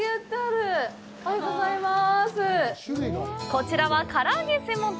こちらは、から揚げ専門店。